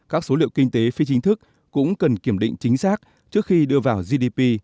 các số liệu kinh tế phi chính thức cũng cần kiểm định chính xác trước khi đưa vào gdp